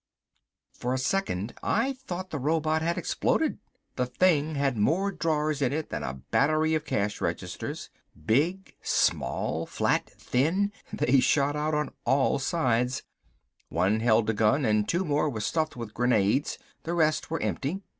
For a second I thought the robot had exploded. The thing had more drawers in it than a battery of cash registers. Big, small, flat, thin, they shot out on all sides. One held a gun and two more were stuffed with grenades; the rest were empty.